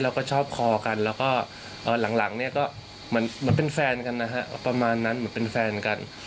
แล้วก็ชอบคอกันแล้วก็หลังเนี่ยก็เหมือนเป็นแฟนกันนะฮะประมาณนั้นเหมือนเป็นแฟนกัน